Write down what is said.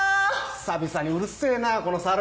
久々にうるせぇなこの猿。